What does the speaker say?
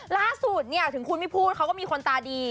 ล่าสุดเนี่ยถึงคุณไม่พูดเขาก็มีคนตาดี